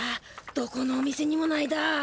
どこのお店にもないだ。